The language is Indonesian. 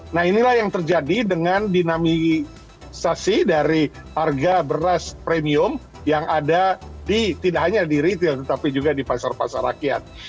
nah inilah yang terjadi dengan dinamisasi dari harga beras premium yang ada di tidak hanya di retail tetapi juga di pasar pasar rakyat